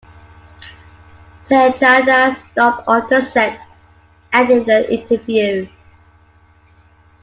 Tejada stormed off the set, ending the interview.